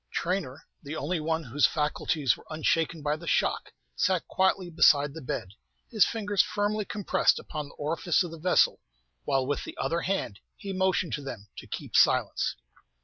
Traynor, the only one whose faculties were unshaken by the shock, sat quietly beside the bed, his fingers firmly compressed upon the orifice of the vessel, while with the other hand he motioned to them to keep silence.